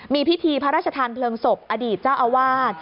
มีพิธีพระราชทานเพลิงศพอดีตเจ้าอาวาส